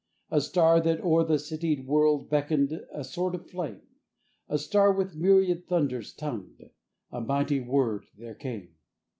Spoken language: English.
A star that o'er the citied world beckoned, a sword of flame; A star with myriad thunders tongued: a mighty word there came.